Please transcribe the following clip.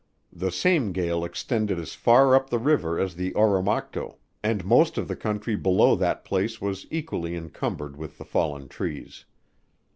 (The same gale extended as far up the river as the Oromocto, and most of the Country below that place, was equally incumbered with the fallen trees.)